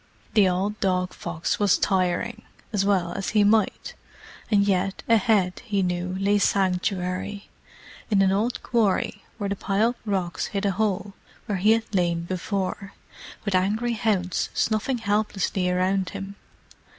The old dog fox was tiring, as well he might, and yet, ahead, he knew, lay sanctuary, in an old quarry where the piled rocks hid a hole where he had lain before, with angry hounds snuffing helplessly around him.